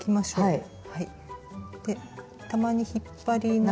はい。